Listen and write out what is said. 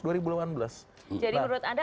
jadi menurut anda